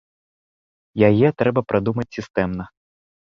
Яе трэба прадумаць сістэмна.